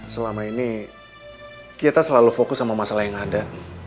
selama ini kita selalu fokus sama masalah yang ada